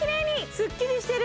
・すっきりしてる！